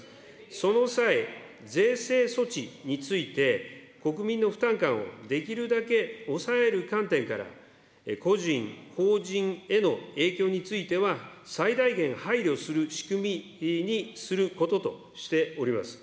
その際、税制措置について、国民の負担感をできるだけ抑える観点から、個人、法人への影響については最大限配慮する仕組みにすることとしております。